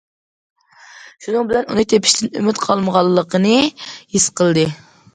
شۇنىڭ بىلەن ئۇنى تېپىشتىن ئۈمىد قالمىغانلىقىنى ھېس قىلدى.